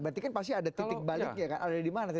berarti kan pasti ada titik balik ya kan